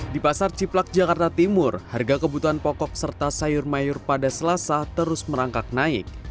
di pasar ciplak jakarta timur harga kebutuhan pokok serta sayur mayur pada selasa terus merangkak naik